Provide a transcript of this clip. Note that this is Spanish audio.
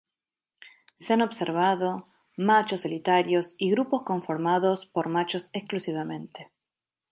Se han observado machos solitarios y grupos conformados por machos exclusivamente.